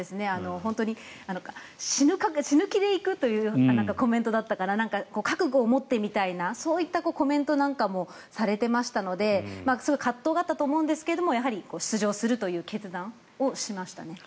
本当に死ぬ気で行くというコメントだったから覚悟を持ってみたいなそういったコメントなんかもされていましたのですごく葛藤があったと思うんですけど出場する決断をしましたね。